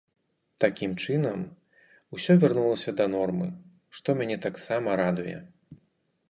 Такім чынам, усё вярнулася да нормы, што мяне таксама радуе.